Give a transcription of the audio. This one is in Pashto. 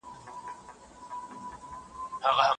دی یې تش له لوی اوازه وېرېدلی